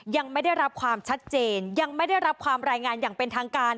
ยังไม่ได้รับความชัดเจนยังไม่ได้รับความรายงานอย่างเป็นทางการ